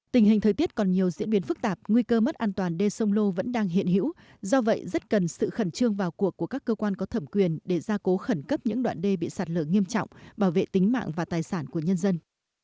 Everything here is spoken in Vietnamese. tình hình thời tiết còn nhiều diễn biến phức tạp nguy cơ mất an toàn đê sông lô vẫn đang hiện hữu do vậy rất cần sự khẩn trương vào cuộc của các cơ quan có thẩm quyền để gia cố khẩn cấp những đoạn đê bị sạt lở nghiêm trọng bảo vệ tính mạng và tài sản của nhân dân